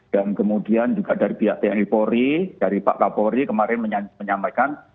dan kemudian juga dari pihak tni polri dari pak kapolri kemarin menyampaikan